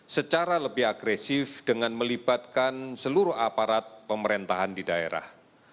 secara lebih agresif dengan melibatkan seluruh aparat pemerintahan di daerah